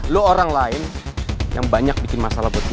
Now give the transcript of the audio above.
lo orang lain yang banyak bikin masalah buat